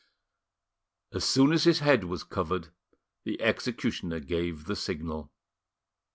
As soon as his head was covered, the executioner gave the signal.